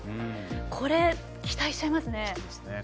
これ、期待しちゃいますね。